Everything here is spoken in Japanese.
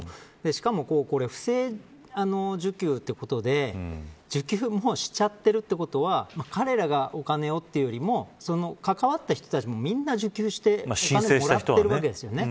しかも、不正受給ということで受給もしちゃってるということは彼らがお金をというよりも関わった人たちも皆、受給してもらっているわけですよね。